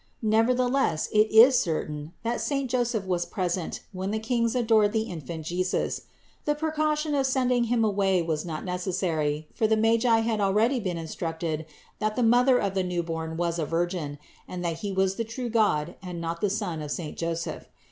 Never theless it is certain that saint Joseph was present when the Kings adored the infant Jesus. The precaution of sending him away was not necessary ; for the Magi had already been instructed that the Mother of the Newborn was a Virgin, and that He was the true God and not a son of saint Joseph.